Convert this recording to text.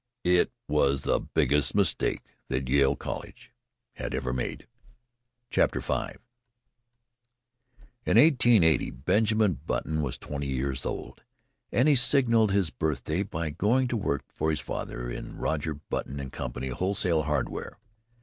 It was the biggest mistake that Yale College had ever made.... V In 1880 Benjamin Button was twenty years old, and he signalised his birthday by going to work for his father in Roger Button & Co., Wholesale Hardware.